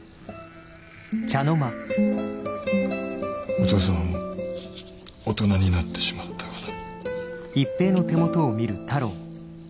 お父さんはもう大人になってしまったがな。